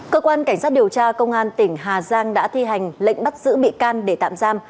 cơ quan cảnh sát điều tra công an tỉnh hà giang đã thi hành lệnh bắt giữ bị can để tạm giam